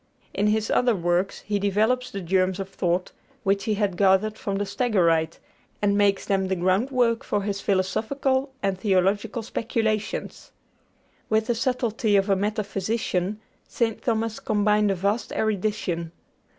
In his other works, he develops the germs of thought which he had gathered from the Stagirite, and makes them the groundwork of his philosophical and theological speculations. With the subtlety of a metaphysician St. Thomas combined a vast erudition.